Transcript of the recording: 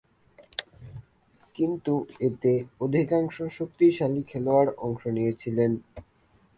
কিন্তু এতে অধিকাংশ শক্তিশালী খেলোয়াড়গণ অংশ নিয়েছিলেন।